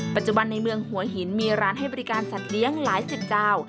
ปัจจุบันในเมืองหัวหินมีร้านให้บริการสัตว์เลี้ยงหลายสิบเจ้า